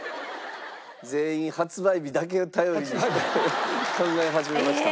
全員発売日だけを頼りに考え始めました。